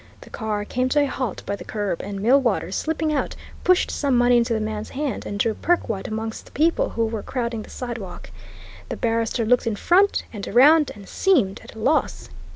The car came to a halt by the curb; and Millwaters, slipping out, pushed some money into the man's hand and drew Perkwite amongst the people who were crowding the sidewalk. The barrister looked in front and around and seemed at a loss.